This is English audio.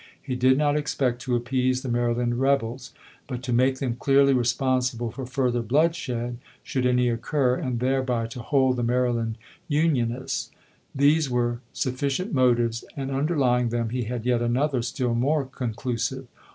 He did not expect to appease the Maryland rebels, but to make them clearly responsible for further blood shed, should any occur, and thereby to hold the Maryland Unionists. These were sufficient motives; and underlying them he had yet another, still more conclusive.